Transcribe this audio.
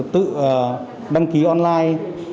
tự đăng ký online